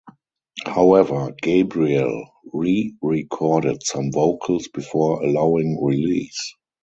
However, Gabriel re-recorded some vocals before allowing release.